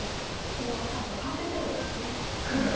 そのあと反省すればいいんですね。